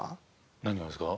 何をですか？